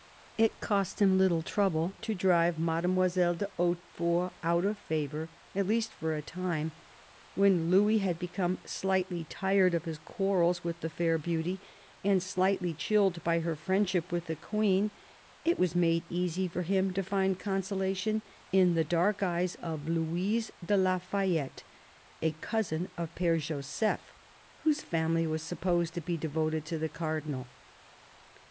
It cost him little trouble to drive Mademoiselle de Hautefort out of favour— at least for a time. When Louis had become slightly tired of his quarrels with the fair beauty and slightly chilled by her friendship with the Queen, it was made easy for him to find consolation in the dark eyes of Louise de la Fayette, a cousin of P^re Joseph, whose family was supposed to be devoted to the Cardinal.